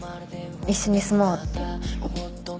一緒に住もうって。